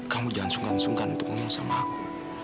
kamu jangan sungkan sungkan untuk ngomong sama aku